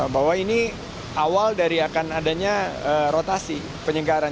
bahwa ini awal dari akan adanya rotasi penyegaran